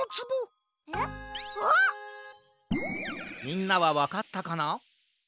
みんなはわかったかな？